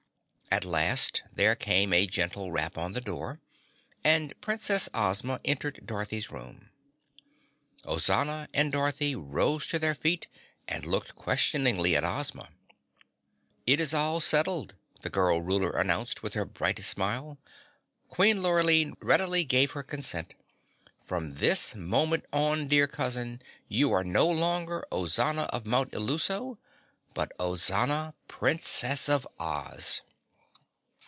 At last there came a gentle rap on the door, and Princess Ozma entered Dorothy's room. Ozana and Dorothy rose to their feet and looked questioningly at Ozma. "It is all settled," the Girl Ruler announced with her brightest smile. "Queen Lurline readily gave her consent. From this moment on, dear cousin, you are no longer Ozana of Mount Illuso, but Ozana, Princess of Oz."